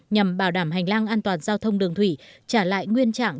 nhằm bảo đảm hành lang an toàn giao thông đường thủy trả lại nguyên trạng